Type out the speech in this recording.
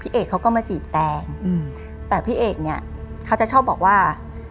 เอกเขาก็มาจีบแตงแต่พี่เอกเนี่ยเขาจะชอบบอกว่า